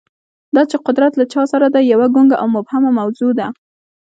دا چې قدرت له چا سره دی، یوه ګونګه او مبهمه موضوع ده.